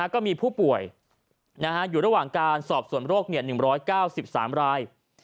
ก็มีผู้ป่วยอยู่ระหว่างการสอบส่วนโรค๑๙๓ราย